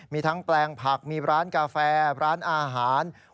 มีทั้งแปลงผักมีร้านกาแฟร้านอาหาร